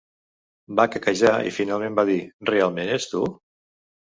Va quequejar i finalment va dir "realment ets tu?".